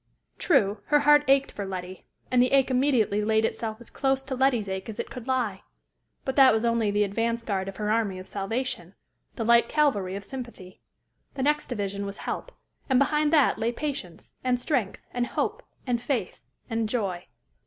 True, her heart ached for Letty; and the ache immediately laid itself as close to Letty's ache as it could lie; but that was only the advance guard of her army of salvation, the light cavalry of sympathy: the next division was help; and behind that lay patience, and strength, and hope, and faith, and joy.